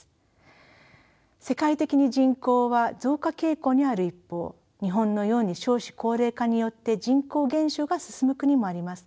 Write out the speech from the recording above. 世界的に人口は増加傾向にある一方日本のように少子高齢化によって人口減少が進む国もあります。